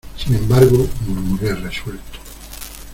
sin embargo, murmuré resuelto: